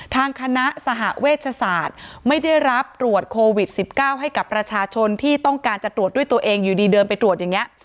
ทางคณะสหเวชศาสตร์ไม่ได้รับตรวจโควิด๑๙ให้กับประชาชนที่ต้องการจะตรวจด้วยตัวเองอยู่ดีเดินไปตรวจอย่างนี้